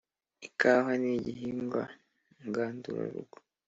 Ikawa nigihingwa ngandura rugo